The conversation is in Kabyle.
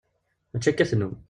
Mačči akka i tennum.